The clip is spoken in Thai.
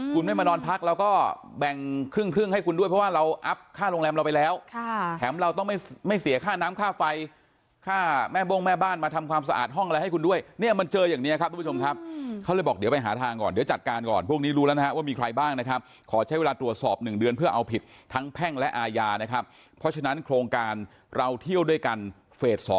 คุณไม่มานอนพักเราก็แบ่งครึ่งให้คุณด้วยเพราะว่าเราอัพค่าโรงแรมเราไปแล้วแถมเราต้องไม่เสียค่าน้ำค่าไฟค่าแม่โบ้งแม่บ้านมาทำความสะอาดห้องอะไรให้คุณด้วยเนี่ยมันเจออย่างเนี่ยครับทุกผู้ชมครับเขาเลยบอกเดี๋ยวไปหาทางก่อนเดี๋ยวจัดการก่อนพวกนี้รู้ละนะว่ามีใครบ้างนะครับขอใช้เวลาตรวจสอบหนึ่งเดื